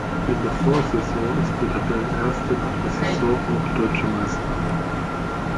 Wie in der Vorsaison ist der Tabellenerste nach der Saison auch Deutscher Meister.